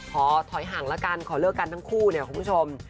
ถอยห่างแล้วกันขอเลิกกันทั้งคู่เนี่ยคุณผู้ชม